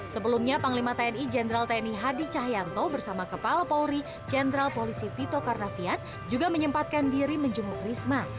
sebelumnya panglima tni jenderal tni hadi cahyanto bersama kepala polri jenderal polisi tito karnavian juga menyempatkan diri menjenguk risma